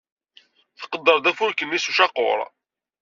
Tqedder-d afurk-nni s ucaqur.